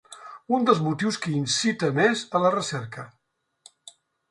Un dels motius que incita més a la recerca.